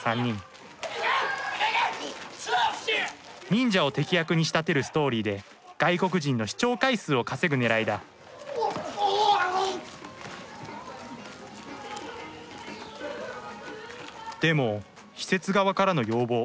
忍者を敵役に仕立てるストーリーで外国人の視聴回数を稼ぐねらいだでも施設側からの要望